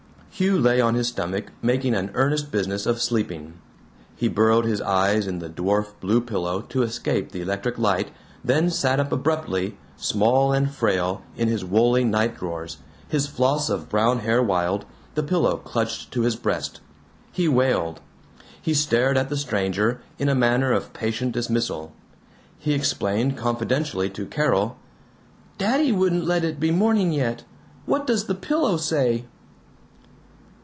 Hugh lay on his stomach, making an earnest business of sleeping. He burrowed his eyes in the dwarf blue pillow to escape the electric light, then sat up abruptly, small and frail in his woolly nightdrawers, his floss of brown hair wild, the pillow clutched to his breast. He wailed. He stared at the stranger, in a manner of patient dismissal. He explained confidentially to Carol, "Daddy wouldn't let it be morning yet. What does the pillow say?"